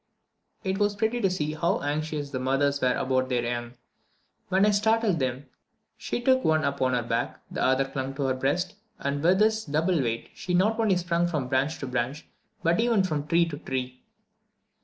It was very pretty to see how anxious the mothers were about their young. When I startled them, she took one upon her back, the other clung to her breast, and with this double weight she not only sprung from branch to branch, but even from tree to tree.